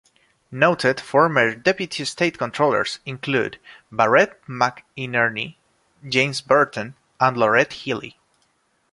Noted former Deputy State Controllers include Barrett McInerney, James Burton, and Laurette Healey.